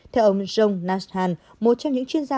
theo ông zhong naishan một trong những chuyên gia